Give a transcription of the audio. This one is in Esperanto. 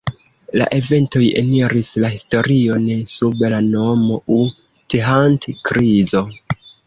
La eventoj eniris la historion sub la nomo „U-Thant-krizo“.